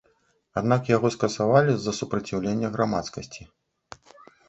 Аднак яго скасавалі з-за супраціўлення грамадскасці.